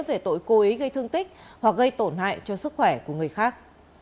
về tội cố ý gây thương tích hoặc gây tổn hại cho sức khỏe của người khác